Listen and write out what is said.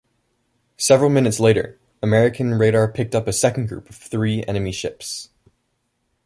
Several minutes later, American radar picked up a second group of three enemy ships.